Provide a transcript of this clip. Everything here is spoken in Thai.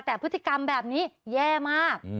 แต่พฤติกรรมแบบนี้แย่มาก